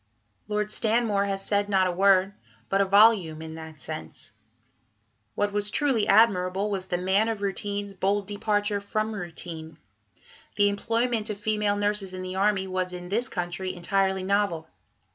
" Lord Stanmore has said not a word, but a volume, in that sense; what was truly admirable was "the man of routine's" bold departure from routine. The employment of female nurses in the army was in this country entirely novel.